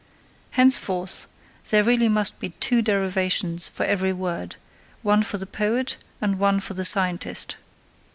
Henceforth, there really must be two derivations for every word, one for the poet and one for the scientist.